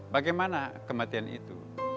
bagaimana kematian itu